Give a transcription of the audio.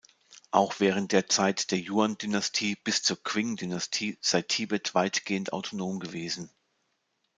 Auch während der Zeit der Yuan-Dynastie bis zur Qing-Dynastie sei Tibet weitgehend autonom gewesen.